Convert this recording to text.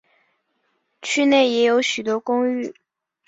区内也有许多公寓。